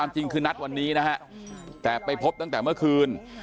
จริงคือนัดวันนี้นะฮะแต่ไปพบตั้งแต่เมื่อคืน